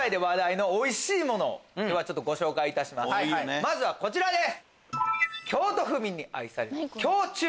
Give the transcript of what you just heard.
まずはこちらです！